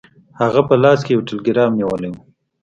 هغه په لاس کې یو ټیلګرام نیولی و.